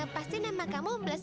buat mada gipe